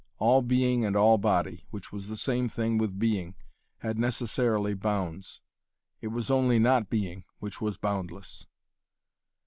All being and all body, which was the same thing with being, had necessarily bounds, it was only not being, which was boundless.